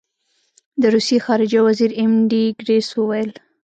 د روسیې خارجه وزیر ایم ډي ګیرس وویل.